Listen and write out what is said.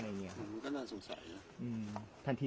ก็น่าต้องสงสัย